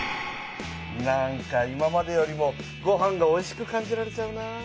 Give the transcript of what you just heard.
なんか今までよりもごはんがおいしく感じられちゃうなあ。